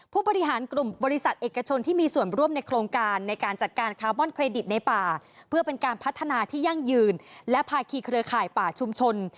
ผู้บริหารกลุ่มบริษัทเอกชนที่มีส่วนร่วมในโครงการในการจัดการคาร์บอนเครดิตในป่าเพื่อเป็นการพัฒนาที่ยั่งยืนและภาคีเครือข่ายป่าชุมชน